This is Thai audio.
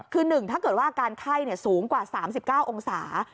คือ๑ถ้าเกิดว่าอาการไข้สูงกว่า๓๙องศา